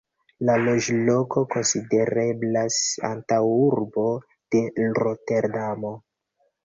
La loĝloko konsidereblas antaŭurbo de Roterdamo.